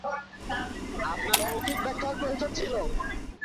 আপনার মৌখিক ব্যাখ্যার প্রয়োজন ছিল।